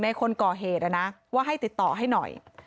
คนก่อเหตุนะว่าให้ติดต่อให้หน่อย